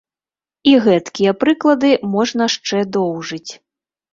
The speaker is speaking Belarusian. І гэткія прыклады можна шчэ доўжыць.